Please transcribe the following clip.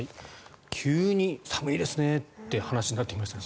急に寒いですねって話になってきましたね。